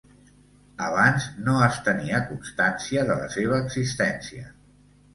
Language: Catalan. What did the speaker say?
Abans no es tenia constància de la seva existència.